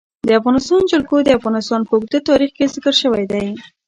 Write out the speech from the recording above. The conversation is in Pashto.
د افغانستان جلکو د افغانستان په اوږده تاریخ کې ذکر شوی دی.